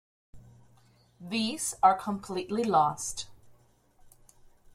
These are completely lost.